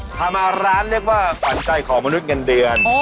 พามาร้านเรียกว่าขวัญใจของมนุษย์เงินเดือน